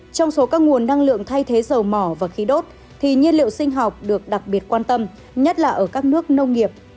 trong số các nguồn năng lượng thay thế dầu mỏ và khí đốt thì nhiên liệu sinh học được đặc biệt quan tâm nhất là ở các nước nông nghiệp